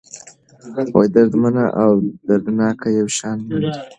دردمنه او دردناکه يو شان نه دي.